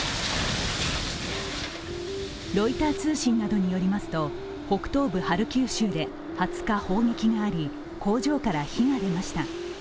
ロイター通信などによりますと、北東部ハルキウ州で２０日、砲撃があり、工場から火が出ました。